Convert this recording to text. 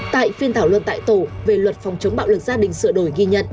tại phiên thảo luận tại tổ về luật phòng chống bạo lực gia đình sửa đổi ghi nhận